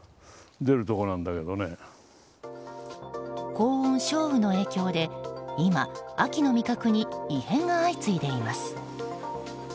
高温、少雨の影響で今、秋の味覚に異変が相次いでいます。